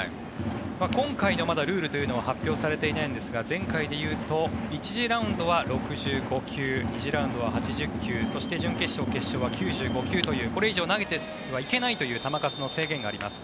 今回のルールというのは発表されていないんですが前回でいうと１次ラウンドは６５球２次ラウンドは８０球そして、準決勝、決勝は９５球というこれ以上投げてはいけないという球数の制限があります。